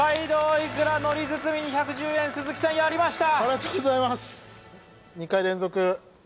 いくら海苔包み２１０円鈴木さんやりました